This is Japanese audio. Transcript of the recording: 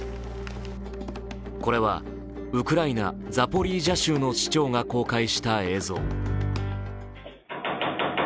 これはウクライナ・ザポリージャ州の市長が公開した映像。